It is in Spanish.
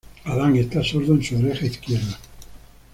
Adán está sordo en su oreja izquierda.